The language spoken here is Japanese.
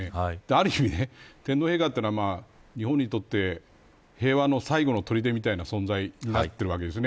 ある意味、天皇陛下というのは日本にとって平和の最後のとりでみたいな存在になっています。